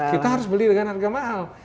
kita harus beli dengan harga mahal